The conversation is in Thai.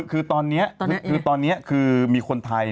คือตอนนี้คือมีคนไทย